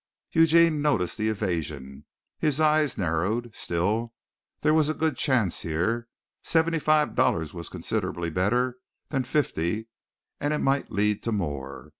Eugene noticed the evasion. His eyes narrowed. Still there was a good chance here. Seventy five dollars was considerably better than fifty and it might lead to more.